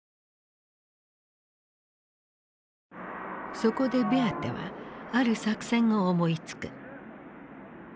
そこでベアテはある作戦を思いつく。